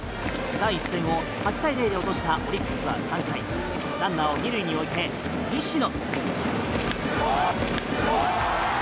第１戦を８対０で落としたオリックスは３回ランナーを２塁に置いて西野。